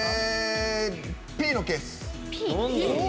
「Ｐ」のケース。